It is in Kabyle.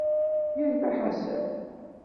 Yerfa Ḥasan.